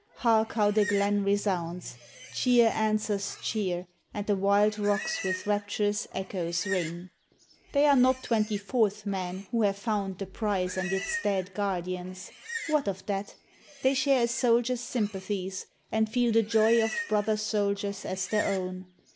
Hark how the glen resounds! Cheer answers cheer; And the wild rocks with rapturous echoes ring. They are not "24th" men who have found The prize and its dead guardians: What of that? They share a soldier's sympathies, and feel The joy of brother soldiers as their own.